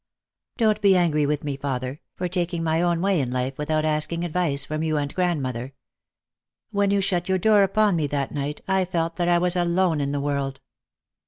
Don't be angry with me, father, for taking my own way in life without asking advice from you and grandmother. When you shut your door upon me that night, I felt that I was alone in the world.